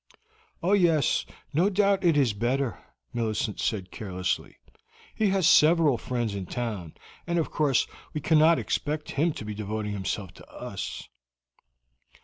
"Oh, yes; no doubt it is better," Millicent said carelessly. "He has several friends in town, and of course we cannot expect him to be devoting himself to us."